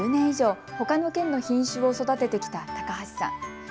これまで１０年以上、ほかの県の品種を育ててきた高橋さん。